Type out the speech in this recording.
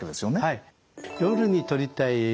はい。